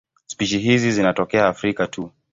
Spishi hizi zinatokea Afrika tu.